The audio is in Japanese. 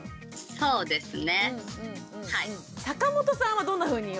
そうですよね。